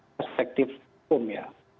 perspektif hukum ya